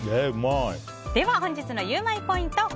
では本日のゆウマいポイント。